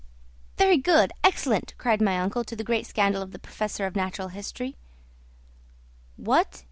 "Very good! Excellent!" cried my uncle, to the great scandal of the professor of natural history. "What!"